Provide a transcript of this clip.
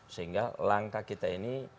sehingga langkah kita ini